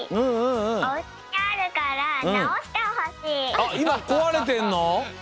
あっいまこわれてんの？